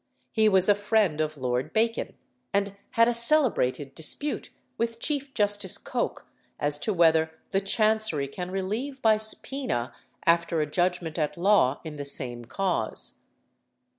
He was a friend of Lord Bacon, and had a celebrated dispute with Chief Justice Coke as to whether "the Chancery can relieve by subpœna after a judgment at law in the same cause."